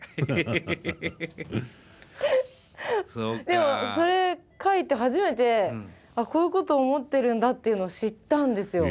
でもそれ書いて初めてこういうこと思ってるんだっていうのを知ったんですよ。